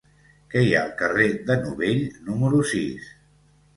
Què hi ha al carrer de Novell número sis?